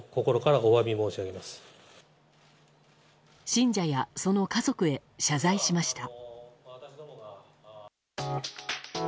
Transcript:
信者やその家族へ謝罪しました。